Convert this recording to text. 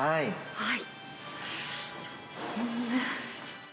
はい。